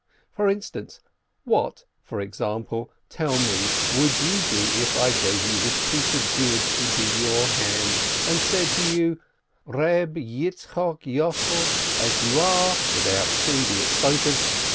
An instance: what, for example, tell me, what would you do, if I gave this piece of goods into your hands, and said to you: Eeb Yitzchok Yossel, as you are (without sin be it spoken